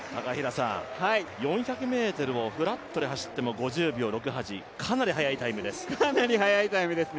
４００ｍをフラットで走っても５０秒６８、かなり速いタイムです。